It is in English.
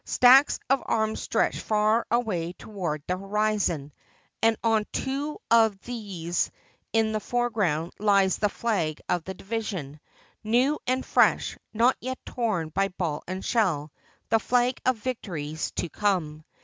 Stacks of arms stretch far away toward the horizon ; and on two of these in the foreground lies the flag of the division, new and fresh, not yet torn by ball and shell, the flag of victories to come.